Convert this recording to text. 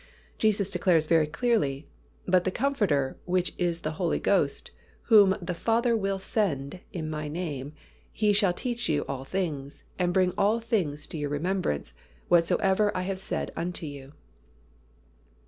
Jesus declares very clearly, "But the Comforter, which is the Holy Ghost, whom the Father will send in My name, He shall teach you all things, and bring all things to your remembrance, whatsoever I have said unto you."